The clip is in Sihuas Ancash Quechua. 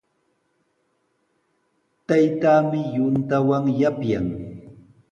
Taytaami yuntawan yapyan.